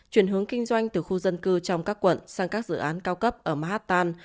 chuyển hướng kinh doanh từ khu dân cư trong các quận sang các dự án cao cấp ở manhattan